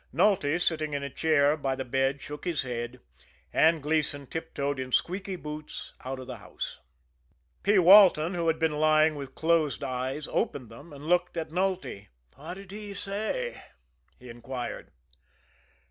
Nulty, sitting in a chair by the bed, shook his head and Gleason tiptoed in squeaky boots out of the house. P. Walton, who had been lying with closed eyes, opened them, and looked at Nulty. "What did he say?" he inquired.